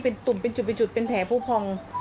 เป็นตุ่มเป็นจุดเป็นแผลผู้พร้อม